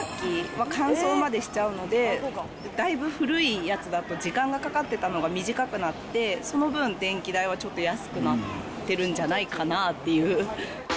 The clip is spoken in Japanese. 洗濯機は乾燥までしちゃうので、だいぶ古いやつだと、時間がかかってたのが短くなって、その分、電気代はちょっと安くなってるんじゃないかなっていう。